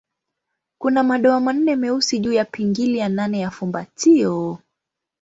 Kuna madoa manne meusi juu ya pingili ya nane ya fumbatio.